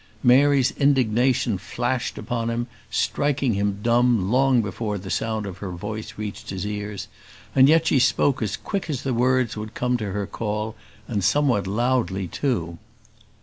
Mary's indignation flashed upon him, striking him dumb long before the sound of her voice reached his ears; and yet she spoke as quick as the words would come to her call, and somewhat loudly too.